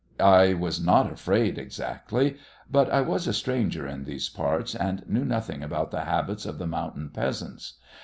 I was not afraid exactly, but I was a stranger in these parts and knew nothing about the habits of the mountain peasants.